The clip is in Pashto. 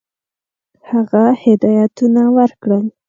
هغه هدایتونه ورکړل.